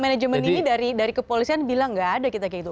manajemen ini dari kepolisian bilang nggak ada kita kayak gitu